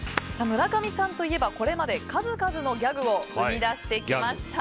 村上さんといえばこれまで数々のギャグを生み出してきました。